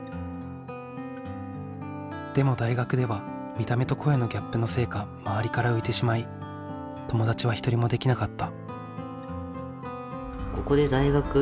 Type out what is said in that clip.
でも大学では見た目と声のギャップのせいか周りから浮いてしまい友達は一人も出来なかった。